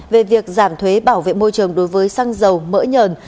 về việc giảm thuế bảo vệ môi trường đối với xăng dầu mỡ nhờn